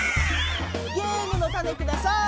ゲームのタネください。